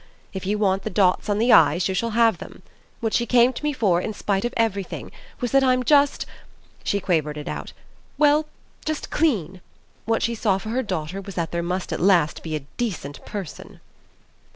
If you want the dots on the i's you shall have them. What she came to me for, in spite of everything, was that I'm just" she quavered it out "well, just clean! What she saw for her daughter was that there must at last be a DECENT person!"